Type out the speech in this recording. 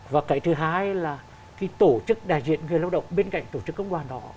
và cái thứ hai là cái tổ chức đại diện người lao động bên cạnh tổ chức công đoàn đó